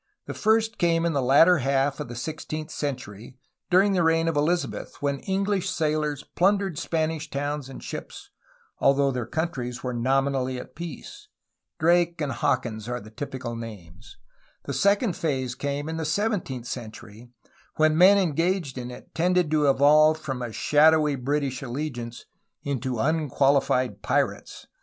The first came in the latter half of the sixteenth century during the reign of Elizabeth, when English sailors plundered Spanish towns and ships, although their countries were nominally at peace. > Drake and Hawkins are the typical names. The second phase came in the seventeenth century, when the men engaged in it tended to evolve from a shadowy British allegiance into unqualified pirates.